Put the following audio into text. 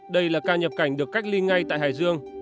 đây là ca nhập cảnh được cách ly ngay tại hải dương